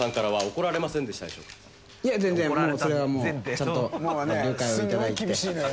いや全然それはもうちゃんと了解をいただいたんで。